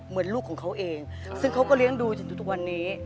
ลูกของเขาเองซึ่งเขาก็เลี้ยงดูจนทุกวันนี้